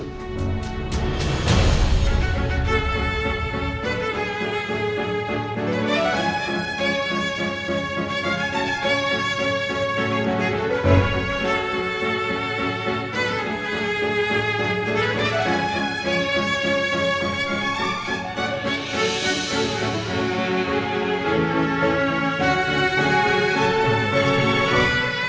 terima kasih bu